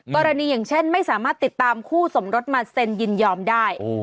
อย่างเช่นไม่สามารถติดตามคู่สมรสมาเซ็นยินยอมได้